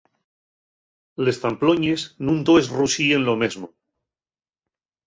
Les zamploñes nun toes ruxíen lo mesmo.